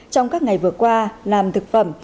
trong các ngày vừa qua làm thực phẩm